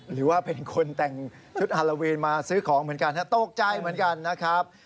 หรือว่าเป็นคนแต่งชุดฮาราวีนมาสื้อของเติบใจเหมือนกันนะครับ